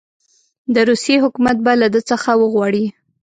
د روسیې حکومت به له ده څخه وغواړي.